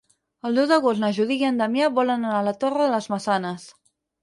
El deu d'agost na Judit i en Damià volen anar a la Torre de les Maçanes.